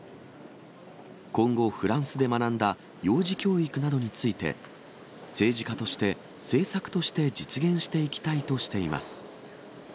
今後、フランスで学んだ幼児教育などについて、政治家として、政策として実現していきたいとしています。